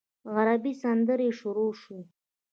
عربي سندرې شروع شوې.